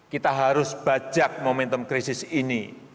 kita harus bajak momentum krisis ini